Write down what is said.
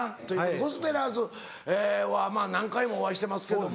ゴスペラーズは何回もお会いしてますけども。